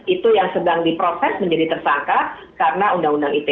itu yang sedang diproses menjadi tersangka karena undang undang ite